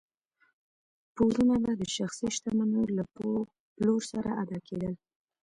پورونه به د شخصي شتمنیو له پلور سره ادا کېدل.